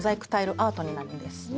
アートになるんです。